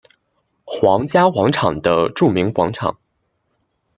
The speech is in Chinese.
皇家广场的著名广场。